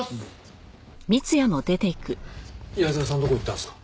矢沢さんどこ行ったんですか？